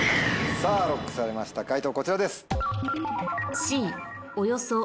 さぁＬＯＣＫされました解答こちらです。